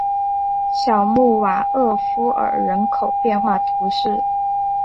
小穆瓦厄夫尔人口变化图示